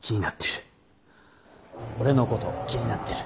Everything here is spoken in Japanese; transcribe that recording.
俺のこと気になってる。